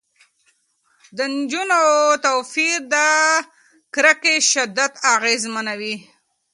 د جینونو توپیر د کرکې شدت اغېزمنوي.